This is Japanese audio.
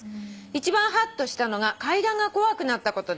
「一番はっとしたのが階段が怖くなったことです」